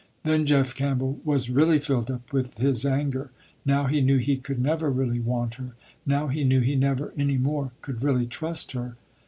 Then Jeff Campbell was really filled up with his anger. Now he knew he could never really want her. Now he knew he never any more could really trust her.